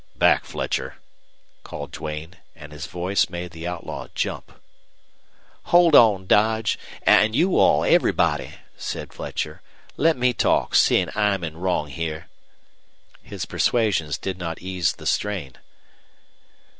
"Back, Fletcher!" called Duane, and his voice made the outlaw jump. "Hold on, Dodge, an' you all, everybody," said Fletcher. "Let me talk, seein' I'm in wrong here." His persuasions did not ease the strain.